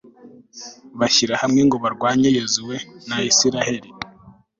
bashyira hamwe ngo barwanye yozuwe na israheli